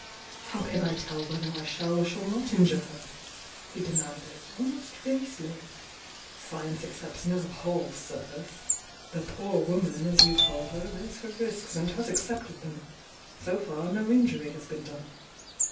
How can I tell whether I shall or shall not injure her? h( demanded, almost fiercely. "Science ac cepts no half service. The 'poor won ,' as you call her, knows her riskf and has accepter .hem. So far, no injury has been done.